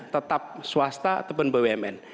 tetap swasta ataupun bumn